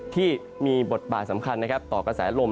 ที่มีบทบาทสำคัญต่อกระแสลม